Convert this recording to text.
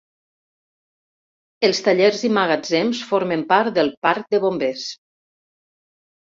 Els tallers i magatzems, formen part del parc de bombers.